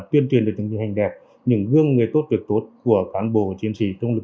tuyên truyền được những hình đẹp những gương người tốt việc tốt của cán bộ chiến sĩ trong lực lượng